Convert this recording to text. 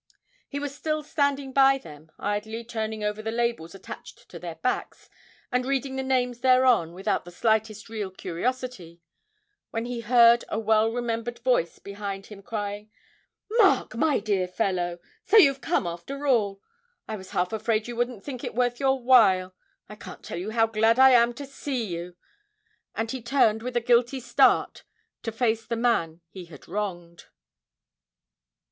He was still standing by them, idly turning over the labels attached to their backs, and reading the names thereon without the slightest real curiosity, when he heard a well remembered voice behind him crying, 'Mark, my dear old fellow, so you've come after all! I was half afraid you wouldn't think it worth your while. I can't tell you how glad I am to see you!' And he turned with a guilty start to face the man he had wronged.